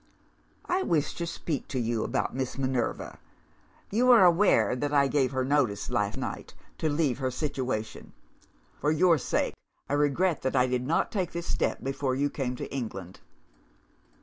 "'I wish to speak to you about Miss Minerva. You are aware that I gave her notice, last night, to leave her situation. For your sake, I regret that I did not take this step before you came to England.